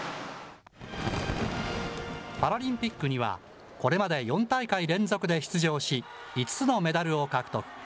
パラリンピックにはこれまで４大会連続で出場し、５つのメダルを獲得。